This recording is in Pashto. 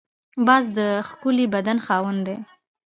باز د ښکلي بدن خاوند دی